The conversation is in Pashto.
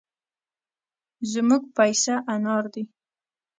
زموږ پيسه انار دي.